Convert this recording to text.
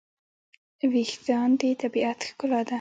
وېښتيان د طبیعت ښکلا ده.